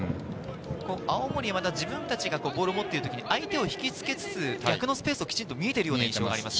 青森山田、自分たちがボールを持っている時に、相手を引きつけつつ、逆のスペースが見えている印象があります。